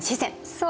そう！